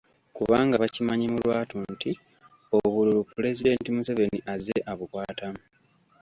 Kubanga bakimanyi mu lwatu nti obululu Pulezidenti Museveni azze abukwatamu.